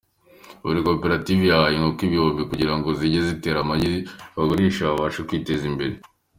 buri koperative yahawe inkoko igihumbi kugira ngo zijye zitera amagi bagurishe babashe kwiteza imbere.